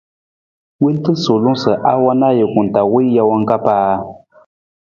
Wonta suulung sa a wan ajuku taa wii jawang ka paa.